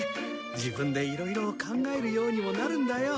自分でいろいろ考えるようにもなるんだよ。